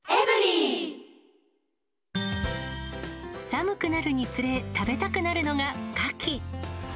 寒くなるにつれ、食べたくなるのがカキ。